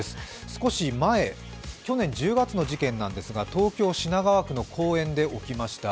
少し前、去年１０月の事件なんですが東京・品川区の公園で起きました。